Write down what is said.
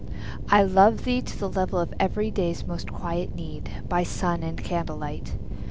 I love thee to the level of everyday's Most quiet need, by sun and candlelight.